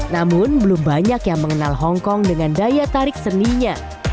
namun belum banyak yang mengenal hongkong dengan daya tarik seninya